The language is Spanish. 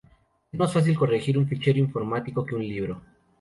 Es más fácil corregir un fichero informático que un libro.